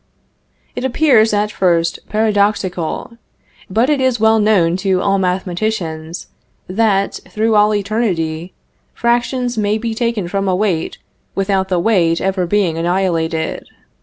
It appears, at first, paradoxical, but it is well known to all mathematicians, that, through all eternity, fractions may be taken from a weight without the weight ever being annihilated.